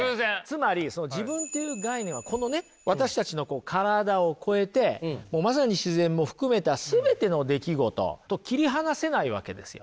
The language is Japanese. つまり自分という概念はこのね私たちの体を超えてもうまさに自然も含めた全ての出来事と切り離せないわけですよ。